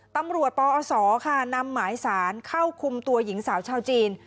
ปอศค่ะนำหมายสารเข้าคุมตัวหญิงสาวชาวจีน